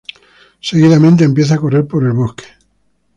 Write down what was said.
Seguidamente empieza a correr por el bosque.